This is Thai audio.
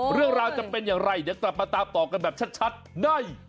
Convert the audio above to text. เรื่องราวจะเป็นอย่างไรเดี๋ยวกลับมาตามต่อกันแบบชัดใน